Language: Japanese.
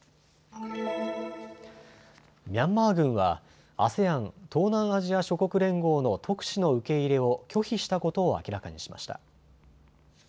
ミャンマー軍はＡＳＥＡＮ・東南アジア諸国連合の特使の受け入れを拒否したことを明らかにしました。